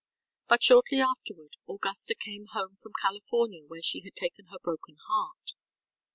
But shortly afterward Augusta came home from California where she had taken her broken heart.